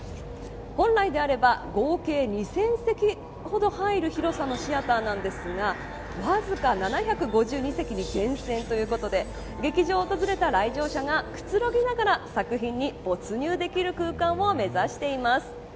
本来であれば合計２０００席ほど入る広さのシアターなんですがわずか７５２席に厳選ということで劇場を訪れた来場者がくつろぎながら作品に没入できる空間を目指しています。